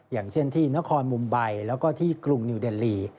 อย่างเช่นที่นครมุมไบแล้วก็ที่กรุงนิวเดลลี